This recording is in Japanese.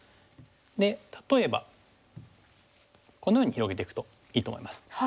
例えばこのように広げていくといいと思います。